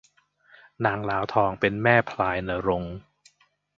นางลาวทองเป็นแม่พลายณรงค์